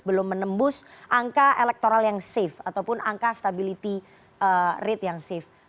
belum menembus angka elektoral yang safe ataupun angka stability rate yang safe